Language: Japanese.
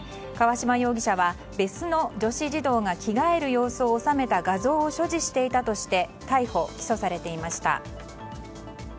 河嶌容疑者は別の女子児童が着替える様子を収めた画像を所持していたとして逮捕・起訴されていました。